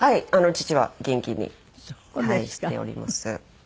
父は元気にしております。